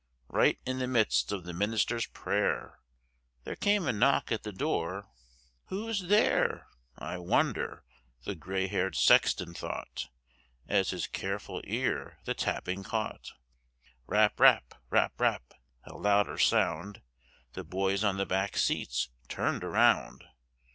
Right in the midst of the minister's prayer There came a knock at the door. "Who's there, I wonder?" the gray haired sexton thought, As his careful ear the tapping caught. Rap rap, rap rap a louder sound, The boys on the back seats turned around.